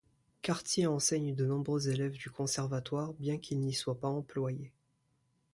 Cartier enseigne de nombreux élèves du conservatoire, bien qu'il n'y soit pas employé.